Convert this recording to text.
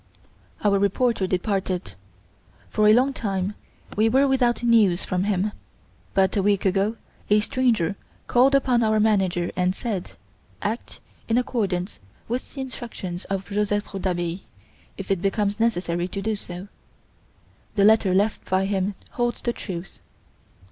Our reporter departed. For a long time we were without news from him; but, a week ago, a stranger called upon our manager and said: 'Act in accordance with the instructions of Joseph Rouletabille, if it becomes necessary to do so. The letter left by him holds the truth.